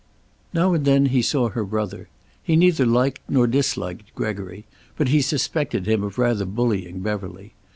Now and then he saw her brother. He neither liked nor disliked Gregory, but he suspected him of rather bullying Beverly.